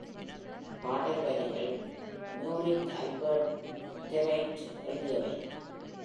பாடல் வரிகள் Maurice Albert Thiriet எழுதியவை.